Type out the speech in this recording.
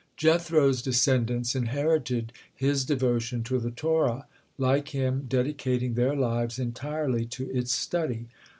Jethro's descendants inherited his devotion to the Torah, like him dedicating their lives entirely to its study.